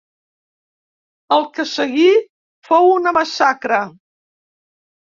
El que seguí fou una massacre.